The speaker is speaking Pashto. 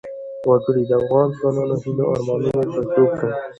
وګړي د افغان ځوانانو د هیلو او ارمانونو استازیتوب کوي.